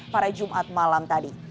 pada jumat malam tadi